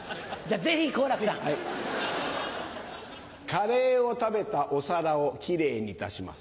カレーを食べたお皿をキレイにいたします。